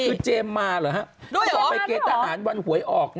ดูเรามันดูเรามันเหมือนคุณข้อกลาง